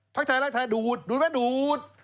ภาคไทยรักษณ์ไทยดูดดูดไหมดูด